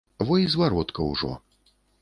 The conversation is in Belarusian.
Во й зваротка ўжо.